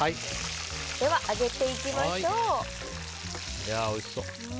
では上げていきましょう。